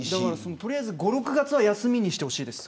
とりあえず５、６月は休みにしてほしいです。